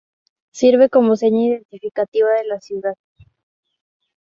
Sirve como seña identificativa de la ciudad.